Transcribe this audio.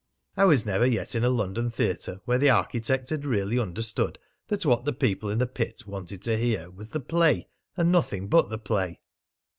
I was never yet in a London theatre where the architect had really understood that what the people in the pit wanted to hear was the play, and nothing but the play."